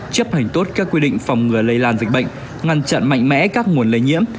chấp hành tốt các quy định phòng ngừa lây lan dịch bệnh ngăn chặn mạnh mẽ các nguồn lây nhiễm